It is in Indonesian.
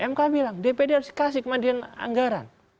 mk bilang dpd harus dikasih kemandian anggaran